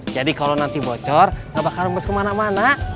jadi kalau nanti bocor gak bakal remes kemana mana